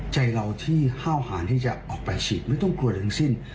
ใจเราที่ห้าวหารที่จะออกไปฉีดไม่ต้องกลัวทั้งสิ้น